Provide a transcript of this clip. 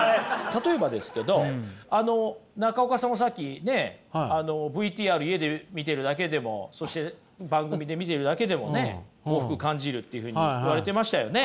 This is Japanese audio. たとえばですけどあの中岡さんもさっきねＶＴＲ見てるだけでもそして番組で見てるだけでもね幸福感じるっていうふうに言われてましたよね。